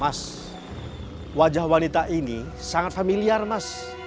mas wajah wanita ini sangat familiar mas